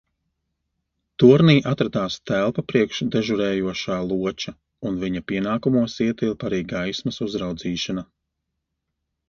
Tornī atradās telpa priekš dežurējošā loča un viņa pienākumos ietilpa arī gaismas uzraudzīšana.